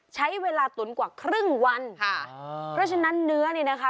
ใช้เวลาตุ๋นกว่าครึ่งวันค่ะอ๋อเพราะฉะนั้นเนื้อนี่นะคะ